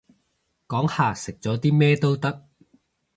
講下食咗啲咩都得